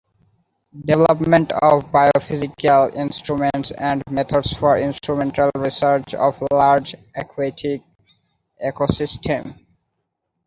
Development of biophysical instruments and methods for instrumental research of large aquatic ecosystems.